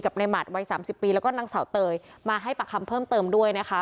ในหมัดวัยสามสิบปีแล้วก็นางสาวเตยมาให้ปากคำเพิ่มเติมด้วยนะคะ